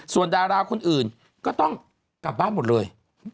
ส่วนดาราคนอื่นก็ต้องกลับบ้านหมดเลย